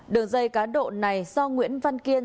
đường dây cá độ này do nguyễn văn kiên